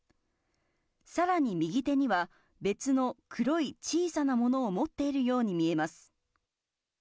さらに右手には、別の黒い小さなものを持っているように見えます。